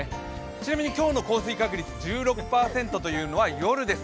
ちなみに今日の降水確率１６％というのは夜です。